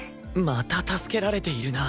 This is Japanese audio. また助けられているな